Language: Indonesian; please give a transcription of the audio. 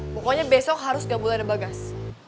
pokoknya besok harus gabung ada bagas